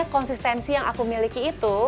konsistensi yang aku miliki itu